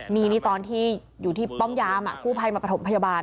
นี่นี่ตอนที่อยู่ที่ป้อมย้ำอ่ะกู้ภัยมาภาษณมณ์พยาบาล